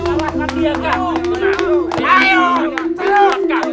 kalahkan dia kanjeng ratu